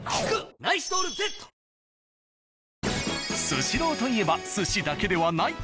「スシロー」といえば寿司だけではない。